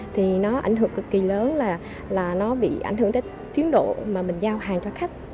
thì nó ảnh hưởng cực kỳ lớn là nó bị ảnh hưởng tới tiến độ mà mình giao hàng cho khách